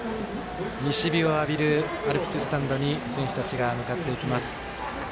西日を浴びるアルプススタンドに選手たちが向かっていきます。